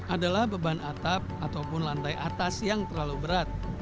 adalah beban atap ataupun lantai atas yang terlalu berat